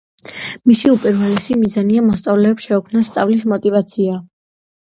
მისი უპირველესი მიზანია მოსწავლეებს შეუქმნას სწავლის მოტივაცია.